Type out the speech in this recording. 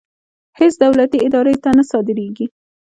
هېڅ دولتي ادارې ته نه صادرېږي.